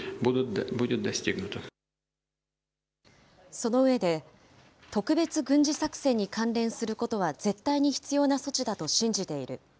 その上で、特別軍事作戦に関連することは絶対に必要な措置だと信じている。